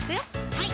はい